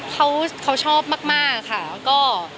เขาชอบมากค่ะก็